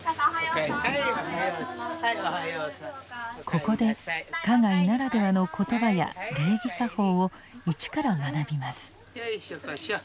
ここで花街ならではの言葉や礼儀作法を一から学びます。